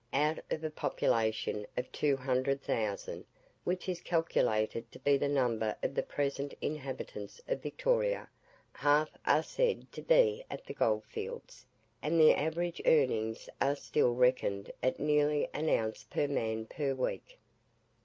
Out of a population of 200,000 (which is calculated to be the number of the present inhabitants of Victoria), half are said to be at the gold fields, and the average earnings are still reckoned at nearly an ounce per man per week.